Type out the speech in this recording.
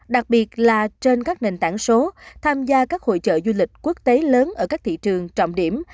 đặc biệt là trên các nền tảng số tham gia các hội trợ du lịch quốc tế lớn ở các thị trường trọng điểm